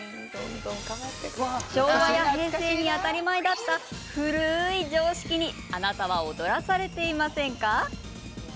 昭和や平成に当たり前だった古い常識にあなたは踊らされていませんか？